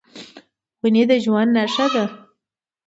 ونې د ژوند نښه ده.